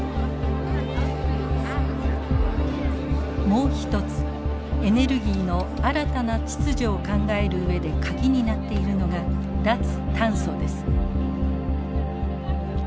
もう一つエネルギーの新たな秩序を考える上で鍵になっているのが脱炭素です。